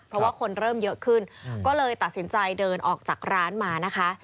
เพราะว่าคนเริ่มเยอะขึ้นก็เลยตัดสินใจเดินออกจากร้านมานะคะ